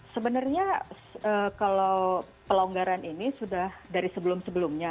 sebenarnya kalau pelonggaran ini sudah dari sebelum sebelumnya